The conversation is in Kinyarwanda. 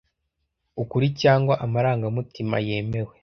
ukuri cyangwa amarangamutima yemewe